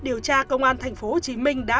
điều tra công an tp hcm đã